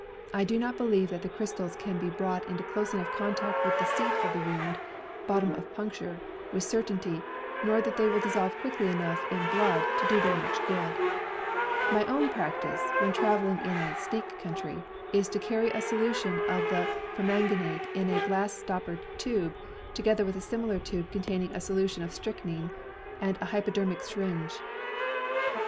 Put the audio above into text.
I do not believe that the crystals can be brought into close enough contact with the seat of the wound (bottom of puncture) with certainty, nor that they will dissolve quickly enough in blood, to do very much good. My own practice, when traveling in a "snake country," is to carry a solution of the permanganate in a glass stoppered tube, together with a similar tube containing a solution of strychnin, and a hypodermic syringe.